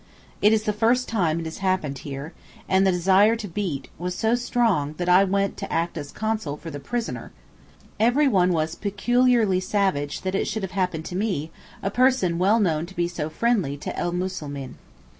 It is the first time it has happened here, and the desire to beat was so strong that I went to act as counsel for the prisoner. Everyone was peculiarly savage that it should have happened to me, a person well known to be so friendly to el Muslimeen.